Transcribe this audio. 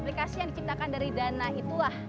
aplikasi yang diciptakan dari dana itulah